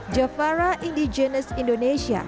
javara indigenous indonesia